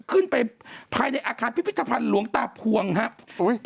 ขึ้นไปภายในอาคารพิพิธภัณฑ์หลวงตาพวงครับ